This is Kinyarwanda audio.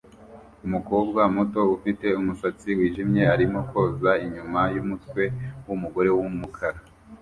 Umukobwa muto ufite umusatsi wijimye arimo koza inyuma yumutwe wumugore wumukara